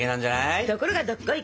ところがどっこい！